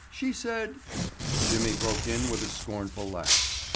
She said——" Jimmy broke in with a scornful laugh.